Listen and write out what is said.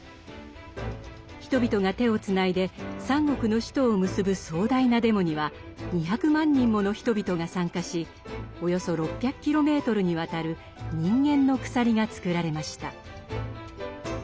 人々が手をつないで三国の首都を結ぶ壮大なデモには２００万人もの人々が参加しおよそ６００キロメートルにわたる人間の鎖が作られました。